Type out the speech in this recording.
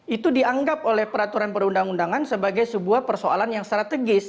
itu dianggap oleh peraturan perundang undangan sebagai sebuah persoalan yang strategis